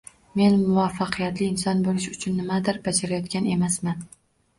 Men muvaffaqiyatli inson bo’lish uchun nimanidir bajarayotgan emasman.